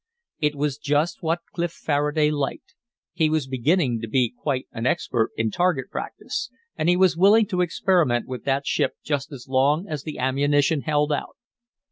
It was just what Clif Faraday liked; he was beginning to be quite an expert in target practice, and he was willing to experiment with that ship just as long as the ammunition held out.